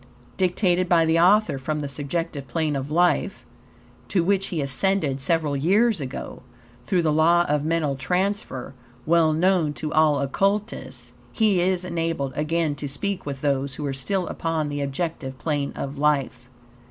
Dictated by the author from the subjective plane of life (to which he ascended several years ago) through the law of mental transfer, well known to all Occultists, he is enabled again to speak with those who are still upon the objective plane of life.